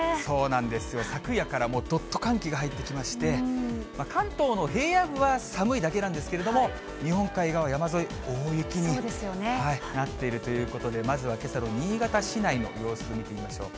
昨夜からもうどっと寒気が入ってきまして、関東の平野部は寒いだけなんですけれども、日本海側山沿い、大雪になっているということで、まずはけさの新潟市内の様子見てみましょう。